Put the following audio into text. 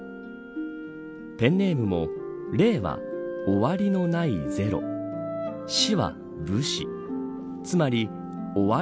ペンネームも零は終わりのないゼロ士は武士つまり終わり